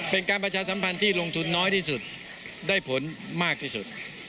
เป็นการประชาสัมพันธ์ที่ลงทุนน้อยที่สุดได้ผลมากที่สุด